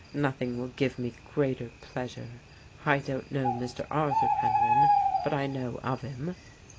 Nothing will give me greater pleasure I I don't know Mr. Arthur Penryn, but I know of him."